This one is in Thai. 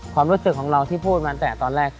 ความรู้สึกของเราที่พูดมาแต่ตอนแรก